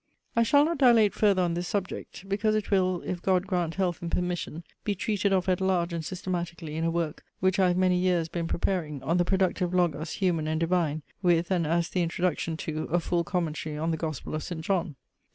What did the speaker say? I shall not dilate further on this subject; because it will, (if God grant health and permission), be treated of at large and systematically in a work, which I have many years been preparing, on the Productive Logos human and divine; with, and as the introduction to, a full commentary on the Gospel of St. John.